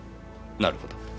なるほど。